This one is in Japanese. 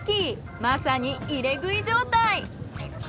まさに入れ食い状態。